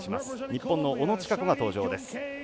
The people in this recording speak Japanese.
日本の小野智華子が登場です。